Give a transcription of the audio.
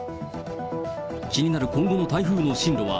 気になる今後の台風の進路は？